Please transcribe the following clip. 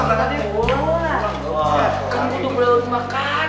kamu udah belum makan